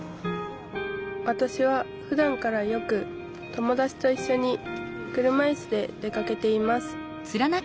わたしはふだんからよく友達といっしょに車いすで出かけています